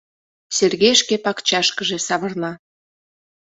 Сергей шке пакчашкыже савырна.